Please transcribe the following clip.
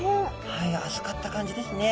はい預かった感じですね。